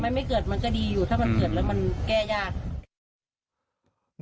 มันไม่เกิดมันก็ดีอยู่ถ้ามันเกิดแล้วมันแก้ยาก